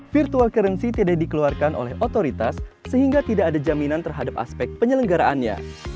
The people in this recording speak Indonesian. virtual currency tidak dikeluarkan oleh otoritas sehingga tidak ada jaminan terhadap aspek penyelenggaraannya